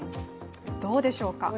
どうでしょうか？